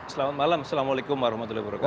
selamat malam assalamualaikum warahmatullahi wabarakatuh